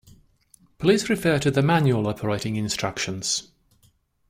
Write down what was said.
Please refer to the manual operating instructions